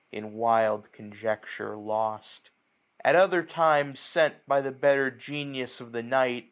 In wild conjecture lost. At pther times, Sent by the better Genius of the night.